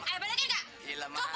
anggur gini buah